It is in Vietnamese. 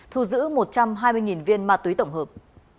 thu giữ một trăm hai mươi viên ma túy tổng hợp